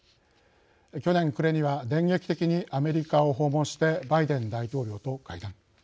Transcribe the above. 去年暮れには電撃的にアメリカを訪問してバイデン大統領と会談。